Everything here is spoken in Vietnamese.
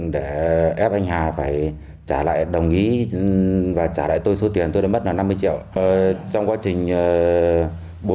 để ép anh hà phải trả lại đồng ý và trả lại tôi số tiền tôi đã mất là năm mươi triệu